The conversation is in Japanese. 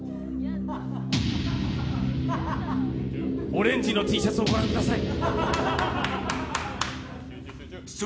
オレンジのＴシャツをご覧ください